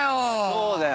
そうだよ。